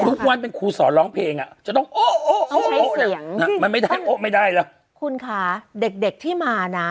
ทุกวันมันครูสอนร้องเพลงอะจะต้องโอ้โอโอโอไม่ได้แหละคุณค่ะเด็กที่มานะ